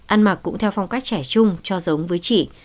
ăn mặc cũng theo phong cách trẻ chung cho giống với chị